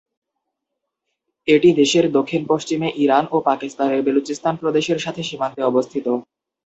এটি দেশের দক্ষিণ-পশ্চিমে ইরান ও পাকিস্তানের বেলুচিস্তান প্রদেশের সাথে সীমান্তে অবস্থিত।